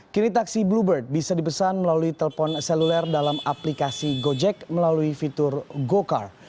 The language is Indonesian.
kini taksi bluebird bisa dipesan melalui telepon seluler dalam aplikasi gojek melalui fitur gocar